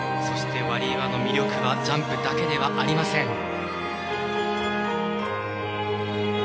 そして、ワリエワの魅力はジャンプだけではありません。